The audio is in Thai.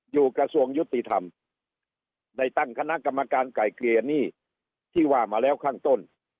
กระทรวงยุติธรรมได้ตั้งคณะกรรมการไก่เกลี่ยหนี้ที่ว่ามาแล้วข้างต้น